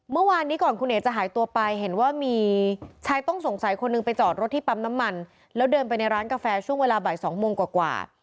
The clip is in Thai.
เมื่อวานนี้ก่อนคุณเอกจะหายตัวไปเห็นว่ามีชายต้องสงสัยคนหนึ่งไปจอดรถที่ปั๊มน้ำมันแล้วเดินไปในร้านกาแฟช่วงเวลาบ่ายสองโมงกว่า